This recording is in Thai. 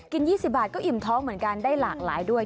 ๒๐บาทก็อิ่มท้องเหมือนกันได้หลากหลายด้วย